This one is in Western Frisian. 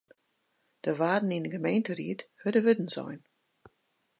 Der waarden yn de gemeenteried hurde wurden sein.